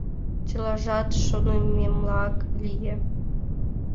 Чылажат шонымемлак лие.